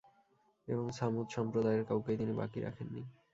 এবং ছামূদ সম্প্রদায়ের কাউকেও তিনি বাকি রাখেননি।